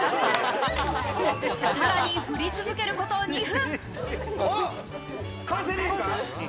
さらに振り続けること２分。